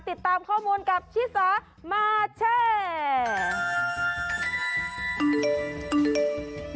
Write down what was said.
ติดตามข้อมูลกับชิศมาเช่น